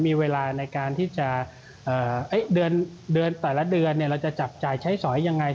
มีเวลาในการที่จะเดือนแต่ละเดือนเราจะจับจ่ายใช้สอยยังไง